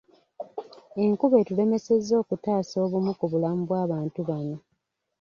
Enkuba etulemesezza okutaasa obumu ku bulamu bw'abantu bano.